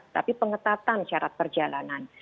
tapi pengetatan syarat perjalanan